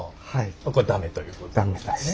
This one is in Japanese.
これ駄目ということですね。